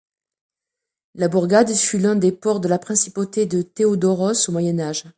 La bourgade fut l'un des ports de la principauté de Théodoros, au Moyen Âge.